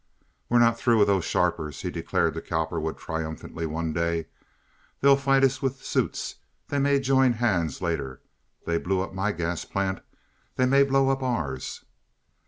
"We're not through with those sharpers," he declared to Cowperwood, triumphantly, one day. "They'll fight us with suits. They may join hands later. They blew up my gas plant. They may blow up ours."